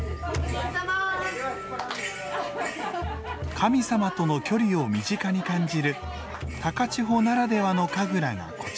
神様との距離を身近に感じる高千穂ならではの神楽がこちら。